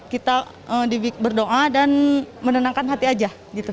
kita berdoa dan menenangkan hati aja